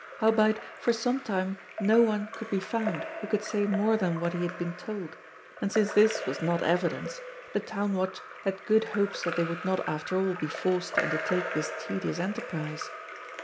Howbeit for some time no one could be found who could say more than what he had been told, and since this was not evidence, the Town Watch had good hopes that they would not after all be forced to undertake this tedious enterprise.